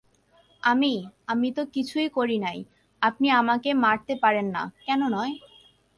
আমি, আমি তো কিছু করি নাই আপনি আমাকে মারতে পারেন না কেন নয়?